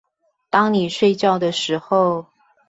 當你睡覺的時候